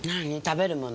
食べる物？